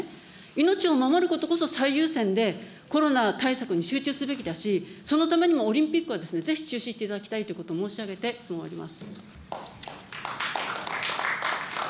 命を守ることこそ最優先で、コロナ対策に集中すべきだし、そのためにもオリンピックはぜひ中止していただきたいということを申し上げて質問を終わります。